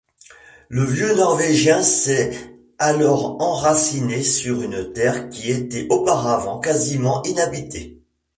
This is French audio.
Le vieux norvégien s'est alors enraciné sur une terre qui était auparavant quasiment inhabitée.